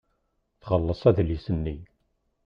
Txelleṣ adlis-nni.